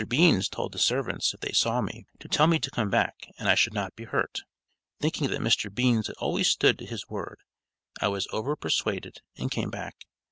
Beans told the servants if they saw me, to tell me to come back and I should not be hurt. Thinking that Mr. Beans had always stood to his word, I was over persuaded and came back.